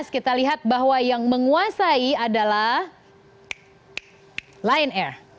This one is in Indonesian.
kita lihat bahwa yang menguasai adalah lion air